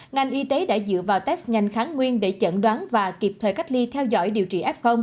ngành y tế đã dựa vào test nhanh kháng nguyên để chẩn đoán và kịp thời cách ly theo dõi điều trị f